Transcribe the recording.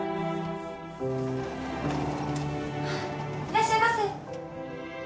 いらっしゃいませ。